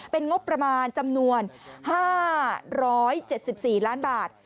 เป็นงบประมาณจำนวน๕๗๔ล้านบาท